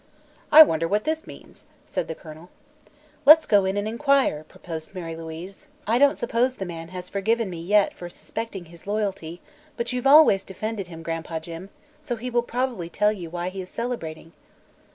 "I wonder what this means?" said the colonel. "Let's go in and inquire," proposed Mary Louise. "I don't suppose the man has forgiven me yet for suspecting his loyalty, but you've always defended him, Gran'pa Jim, so he will probably tell you why he is celebrating."